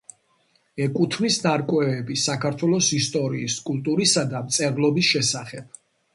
ეკუთვნის ნარკვევები საქართველოს ისტორიის, კულტურისა და მწერლობის შესახებ.